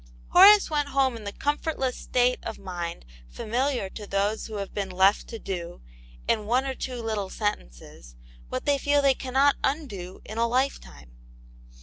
Horace went home in the comfortless state of mind familiar to those who have been left to do, in one or two little sentences, what they feel they cannot undo in a lifetime.